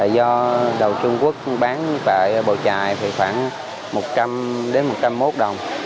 do đầu trung quốc bán tại bầu trại khoảng một trăm linh một trăm linh một đồng